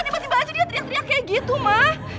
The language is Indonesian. cepet cepet aja dia teriak teriak kayak gitu ma